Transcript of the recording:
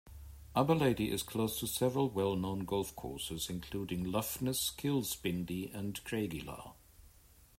Aberlady is close to several well-known golf courses including Luffness, Kilspindie and Craigielaw.